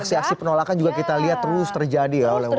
aksi aksi penolakan juga kita lihat terus terjadi ya oleh warga